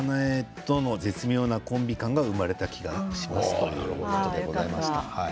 あれで、かなえとの絶妙なコンビ感が生まれた気がしますということです。